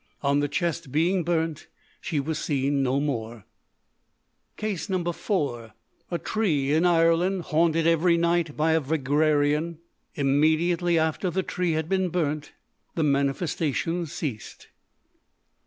(On the chest being burnt she was seen no more.) Case No. 4. A tree in Ireland, haunted every night by a Vagrarian. (Immediately after the tree had been burnt the manifestations ceased.)